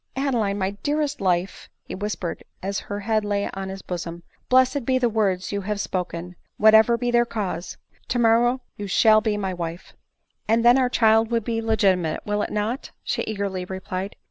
" Adeline ! my dearest life !" he whispered as her head lay on his bosom, " blessed be the words you have spoken, whatever be their cause ! Tomorrow you shall be my wife." " And then our child will be legitimate, will he not?" she eagerly replied.